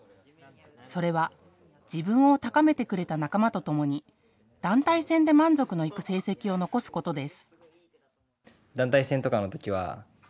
それは自分を高めてくれた仲間とともに団体戦で満足のいく成績を残すことです。